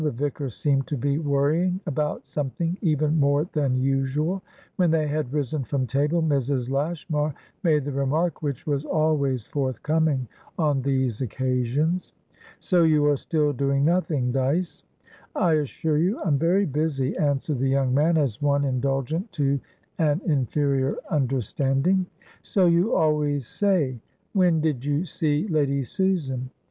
The vicar seemed to be worrying about something even more than usual. When they had risen from table, Mrs. Lashmar made the remark which was always forthcoming on these occasions. "So you are still doing nothing, Dyce?" "I assure you, I'm very busy," answered the young man, as one indulgent to an inferior understanding. "So you always say. When did you see Lady Susan?"